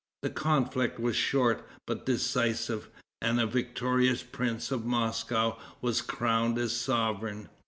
The conflict was short, but decisive, and the victorious prince of Moscow was crowned as sovereign.